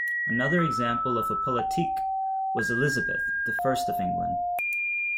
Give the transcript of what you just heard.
Another example of a politique was Elizabeth the First of England.